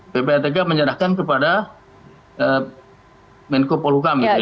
ppatk menyerahkan kepada menko polhukam